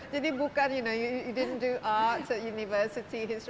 jadi bukan you know you didn't do art at university